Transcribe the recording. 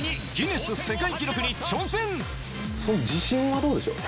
自信はどうでしょう？